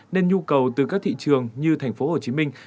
nên nhu cầu từ các thị trường như thành phố hồ chí minh